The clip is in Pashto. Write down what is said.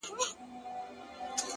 ځكه له يوه جوړه كالو سره راوتـي يــو؛